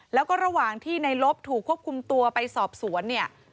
แล้วก็ระหว่างที่ในลบถูกควบคุมตัวไปสอบสวนเนี่ย